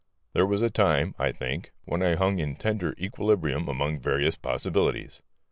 There was a time, I think, when I hung in tender equilibrium among various possibilities.